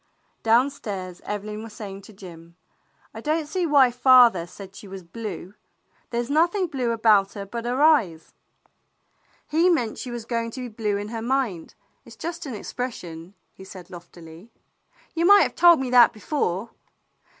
Downstairs Evelyn was saying to Jim: "I don't see why father said she was blue. There's nothing blue about her but her eyes." "He meant she was going to be blue in her mind. It 's just an expression," he said loftily. "You might have told me that before."